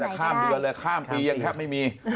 จะว่าจะข้ามปีกันเลยข้ามปียังแทบไม่มี